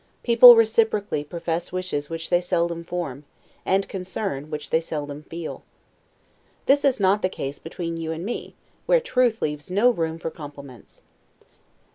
People reciprocally profess wishes which they seldom form; and concern, which they seldom feel. This is not the case between you and me, where truth leaves no room for compliments.